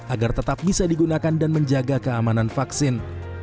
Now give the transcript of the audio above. agar tetap bisa digunakan dan menjaga keamanan vaksin